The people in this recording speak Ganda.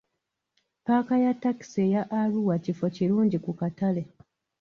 Paaka ya takisi eya Arua kifo kirungi ku katale.